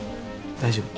大丈夫。